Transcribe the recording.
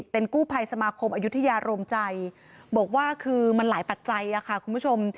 เป็นกู้ภัยสมาคมอายุทยาโรมใจบอกว่าคือมันหลายปัจจัยค่ะคุณผู้ชม